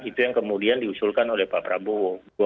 itu yang kemudian diusulkan oleh pak prabowo